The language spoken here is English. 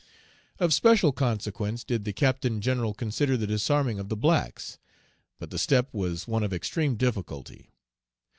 Of special consequence did the Captain General consider the disarming of the blacks; but the step was one of extreme difficulty.